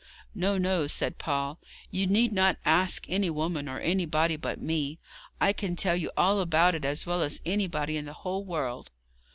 'No, no,' said Paul, 'you need not ask any woman, or anybody but me. I can tell you all about it as well as anybody in the whole world.'